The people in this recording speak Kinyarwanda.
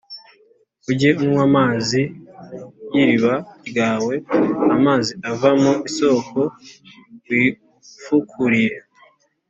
ujye unywa amazi y’iriba ryawe, amazi ava mu isōko wifukuriye